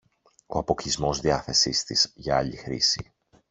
ο αποκλεισμός διάθεσης της για άλλη χρήση